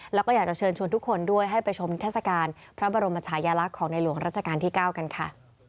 แล้วก็อยากจะเชิญชวนทุกคนด้วยให้ไปชมนิทัศกาลพระบรมชายลักษณ์ของในหลวงราชการที่๙กันค่ะ